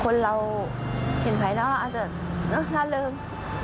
คนเราเห็นภายน้องอาจจะน่าเลิง